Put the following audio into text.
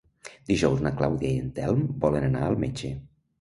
Dijous na Clàudia i en Telm volen anar al metge.